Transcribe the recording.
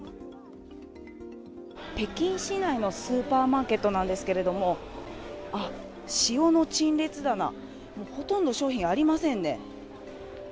北京市内のスーパーマーケットなんですけれども、あっ、塩の陳列棚、もうほとんど商品ありませんね。